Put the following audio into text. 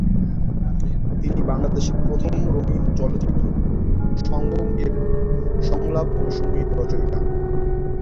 তিনি বাংলাদেশের প্রথম রঙিন চলচ্চিত্র "সঙ্গম" এর সংলাপ ও সঙ্গীত রচয়িতা।